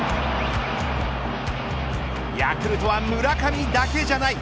ヤクルトは村上だけじゃない。